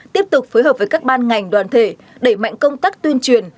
tiếp tục phối hợp với các ban ngành đoàn thể đẩy mạnh công tác tuyên truyền